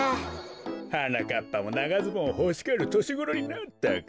はなかっぱもながズボンほしがるとしごろになったか。